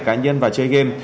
cá nhân và chơi game